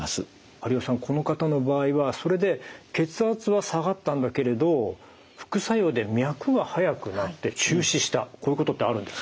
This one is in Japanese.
苅尾さんこの方の場合はそれで血圧は下がったんだけれど副作用で脈が速くなって中止したこういうことってあるんですか？